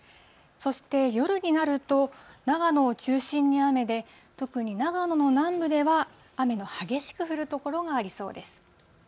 そして夜になると、長野を中心に雨で、特に長野の南部では、雨の激しく降る所がありそうです。